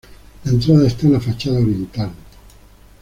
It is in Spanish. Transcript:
La entrada está en la fachada oriental.